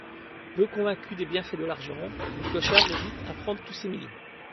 Peu convaincu des bienfaits de l'argent, le clochard hésite à prendre tous ces millions.